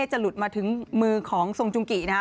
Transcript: จะหลุดมาถึงมือของทรงจุงกินะฮะ